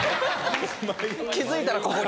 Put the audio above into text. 気付いたらここに。